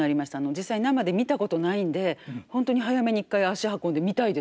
実際生で見たことないんでホントに早めに１回足運んで見たいですね。